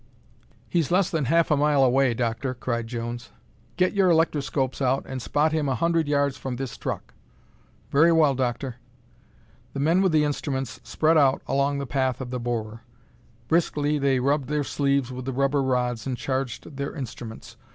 "He's less than half a mile away, Doctor!" cried Jones. "Get your electroscopes out and spot him a hundred yards from this truck." "Very well, Doctor." The men with the instruments spread out along the path of the borer. Briskly they rubbed their sleeves with the rubber rods and charged their instruments.